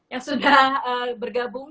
yang sudah bergabung